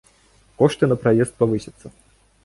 Кошты на праезд павысяцца.